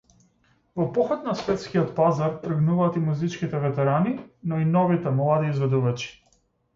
Во поход на светскиот пазар тргнуваат и музичките ветерани, но и новите, млади изведувачи.